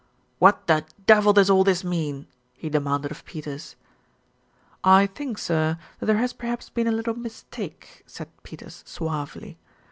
"What the devil does all this mean?" he demanded of Peters. "I think, sir, that there has perhaps been a little mis take," said Peters suavely.